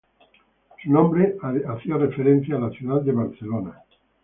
Su nombre haría referencia a la ciudad de Barcelona.